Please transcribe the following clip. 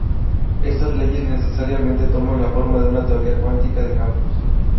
Estas leyes necesariamente toman la forma de una teoría cuántica de campos.